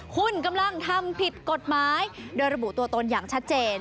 คุณกำลังทำผิดกฎหมายโดยระบุตัวตนอย่างชัดเจน